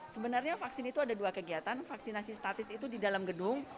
sebenarnya vaksin itu ada dua kegiatan vaksinasi statis itu di dalam gedung